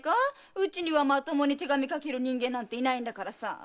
うちにはまともに手紙書ける人間なんていないんだからさ。